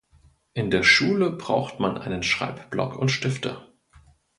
In der Schule braucht man einen Schreibblock und Stifte.